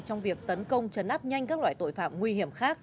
trong việc tấn công chấn áp nhanh các loại tội phạm nguy hiểm khác